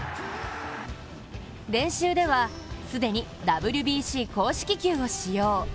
練習では既にＷＢＣ公式球を使用。